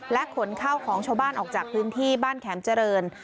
ขนข้าวของชาวบ้านออกจากพื้นที่บ้านแข็มเจริญ